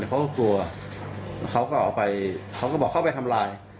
เขาก็กลัวเขาก็เอาไปเขาก็บอกเขาไปทำลาย